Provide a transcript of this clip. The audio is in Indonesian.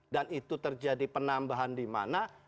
dan itu terjadi penambahan di mana